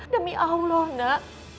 demi allah nak